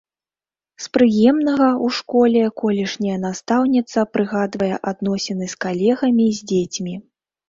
З прыемнага ў школе колішняя настаўніца прыгадвае адносіны з калегамі і з дзецьмі.